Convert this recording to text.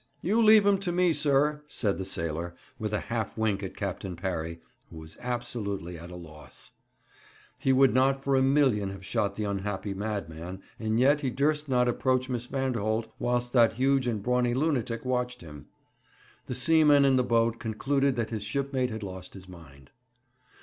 'You leave him to me, sir,' said the sailor, with a half wink at Captain Parry, who was absolutely at a loss. He would not for a million have shot the unhappy madman, and yet he durst not approach Miss Vanderholt whilst that huge and brawny lunatic watched him. The seaman in the boat concluded that his shipmate had lost his mind.